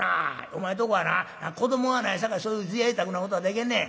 お前とこはな子どもがないさかいそういう贅沢なことができんねん。